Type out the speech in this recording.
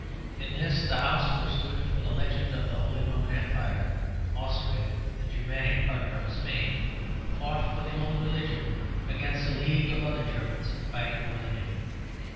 In this the house which stood for the legend of the Holy Roman Empire, Austria, the Germanic partner of Spain, fought for the old religion against a league of other Germans fighting for the new.